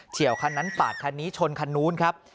ี่ยวคันนั้นปาดคันนี้ชนคันนู้นครับ